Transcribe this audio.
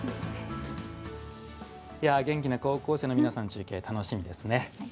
元気な高校生の皆さん中継、楽しみですね。